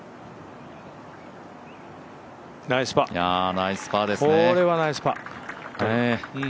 ナイスパー、これはナイスパー。